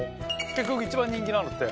結局一番人気なのって。